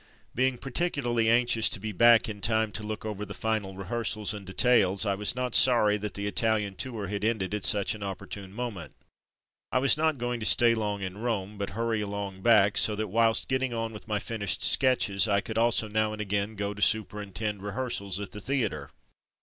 Being particularly anxious to be back in time to look over the final rehearsals and details I was not sorry that the Italian tour had ended at such an opportune mo ment. I was not going to stay long in Rome, but hurry along back, so that whilst getting on with my finished sketches, I could also now and again go to superintend re hearsals at the theatre.